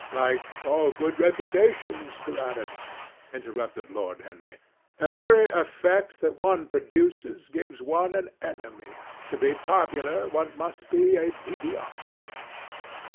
"Like all good reputations, Gladys," interrupted Lord Henry. "Every effect that one produces gives one an enemy. To be popular one must be a mediocrity."